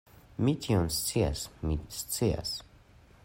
Mi tion scias, mi scias!